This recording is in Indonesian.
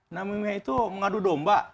namimah itu mengadu domba